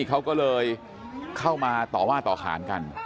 เขาก็เลยเข้ามาต่อว่าต่อขานกัน